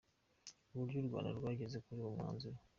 Uburyo u Rwanda rwageze kuri uwo mwanzuro.